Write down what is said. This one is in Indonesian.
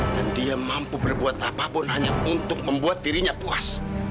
dan dia mampu berbuat apa pun hanya untuk membuat dirinya puas